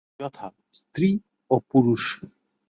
যথাঃ স্ত্রী ও পুরুষ।